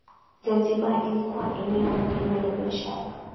Zanzibar ilikuwa eneo muhimu la biashara